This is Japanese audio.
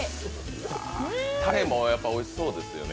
たれも、やっぱおいしそうですよね。